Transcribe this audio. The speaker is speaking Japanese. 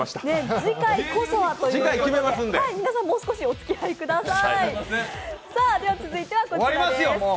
次回こそはということですので、皆さんもう少しおつきあいください。